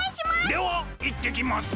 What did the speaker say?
ではいってきます！